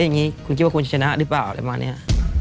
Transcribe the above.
เล่นอย่างนี้คุณคิดว่าคุณจะชนะหรือเปล่าอะไรแบบนี้